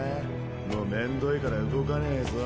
もうめんどいから動かねぞ。